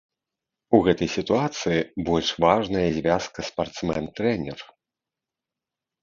У гэтай сітуацыі больш важная звязка спартсмен-трэнер.